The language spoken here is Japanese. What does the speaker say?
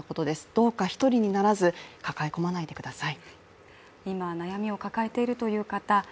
どうか一人にならず抱え込まないでください。